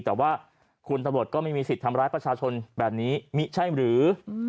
แต่ว่าคุณตำรวจก็ไม่มีสิทธิ์ทำร้ายประชาชนแบบนี้มิใช่หรือ